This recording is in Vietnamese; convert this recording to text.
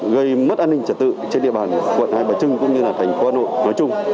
gây mất an ninh trật tự trên địa bàn quận hai bà trưng cũng như là thành phố hà nội nói chung